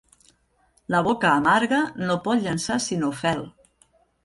La boca amarga no pot llançar sinó fel.